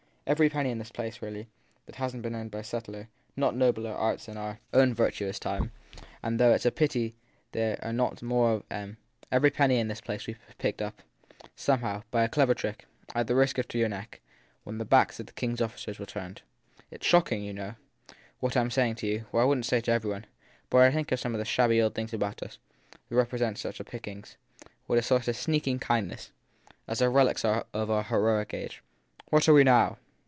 Every penny in the place, really, that hasn t been earned by subtler not nobler arts in our own virtuous time, and though it s a pity there are not more of em : every penny in the place was picked up, somehow, by a clever trick, and at the risk of your neck, when the backs of the king s officers were turned. It s shock ing, you know, what I m saying to you, and I wouldn t say it to every one, but I think of some of the shabby old things about us, that represent such pickings, with a sort of sneaking kindness as of relics of our heroic age. What are we now